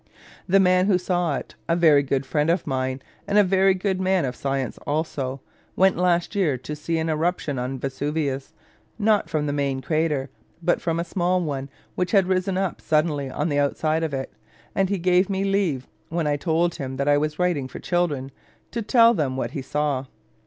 The man who saw it a very good friend of mine, and a very good man of science also went last year to see an eruption on Vesuvius, not from the main crater, but from a small one which had risen up suddenly on the outside of it; and he gave me leave (when I told him that I was writing for children) to tell them what he saw.